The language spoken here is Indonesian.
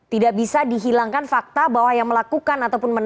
tidak bisa dihilangkan fakta bahwa yang melakukan ataupun